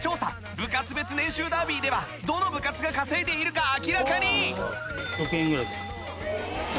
部活別年収ダービーではどの部活が稼いでいるか明らかに！